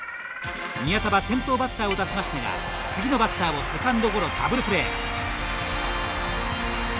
宮田は先頭バッターを出しましたが次のバッターをセカンドゴロダブルプレー。